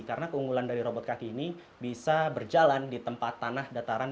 karena keunggulan dari robot kaki ini bisa berjalan di tempat tanah dataran